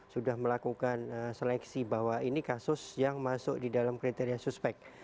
sudah melakukan seleksi bahwa ini kasus yang masuk di dalam kriteria suspek